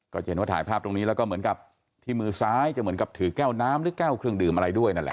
จะเห็นว่าถ่ายภาพตรงนี้แล้วก็เหมือนกับที่มือซ้ายจะเหมือนกับถือแก้วน้ำหรือแก้วเครื่องดื่มอะไรด้วยนั่นแหละ